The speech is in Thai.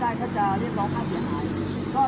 ตอนนี้กำหนังไปคุยของผู้สาวว่ามีคนละตบ